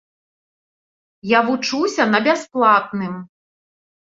Я вучуся на бясплатным.